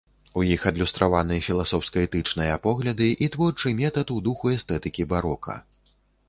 У іх адлюстраваны філасофска-этычныя погляды і творчы метад у духу эстэтыкі барока.